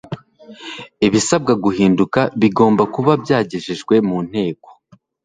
ibisabwa guhinduka bigomba kuba byagejejwe mu nteko